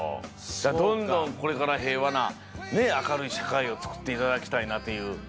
どんどんこれから平和な明るい社会をつくっていただきたいなっていう。